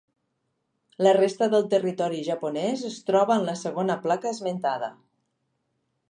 La resta del territori japonès es troba en la segona placa esmentada.